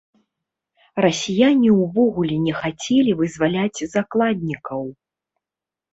Расіяне ўвогуле не хацелі вызваляць закладнікаў.